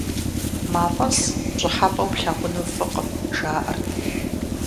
МафӀэс пщӀыхьэпӀэу плъагъуну фӀыкъым, жаӀэрт.